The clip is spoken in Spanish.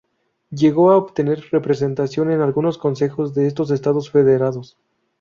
Llegó a obtener representación en algunos consejos de estos estados federados.